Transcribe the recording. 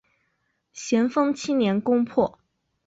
咸丰七年攻破。